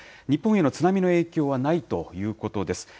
日本への津波の影響はないということです。